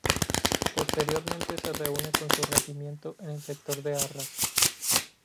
Posteriormente se reúne con su regimiento en el sector de Arras.